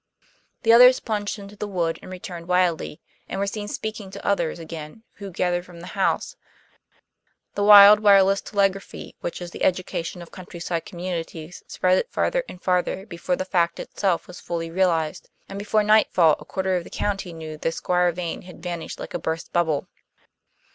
The others plunged into the wood and returned wildly, and were seen speaking to others again who gathered from the house; the wild wireless telegraphy which is the education of countryside communities spread it farther and farther before the fact itself was fully realized; and before nightfall a quarter of the county knew that Squire Vane had vanished like a burst bubble.